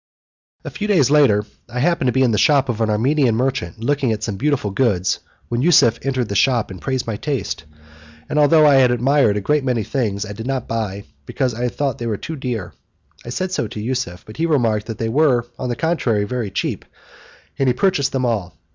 A few days after, I happened to be in the shop of an Armenian merchant, looking at some beautiful goods, when Yusuf entered the shop and praised my taste; but, although I had admired a great many things, I did not buy, because I thought they were too dear. I said so to Yusuf, but he remarked that they were, on the contrary, very cheap, and he purchased them all.